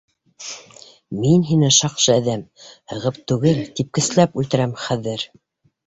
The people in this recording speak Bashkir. - Мин һине, шаҡшы әҙәм, һығып түгел, типкесләп үлтерәм хәҙер!